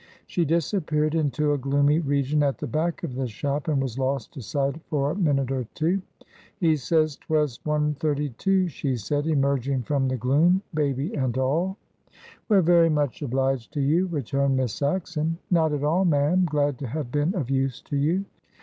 She disappeared into a gloomy region at the back of the shop, and was lost to sight for a minute or two. "He says 'twas 132," she said, emerging from the gloom, baby and all. "We're very much obliged to you," returned Miss Saxon. "Not at all, ma'am. Glad to have been of use to you."